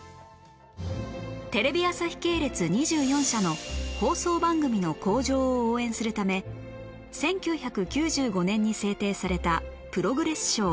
テレビ朝日系列２４社の放送番組の向上を応援するため１９９５年に制定されたプログレス賞